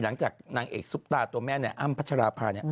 หลังจากนางเอกซุปตาตัวแม่นอ้ำพัชราภา